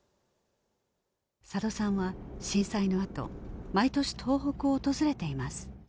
佐渡さんは震災のあと毎年東北を訪れています